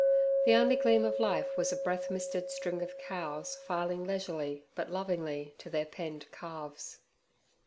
The only gleam of life was a breath misted string of cows filing leisurely but lovingly to their penned calves.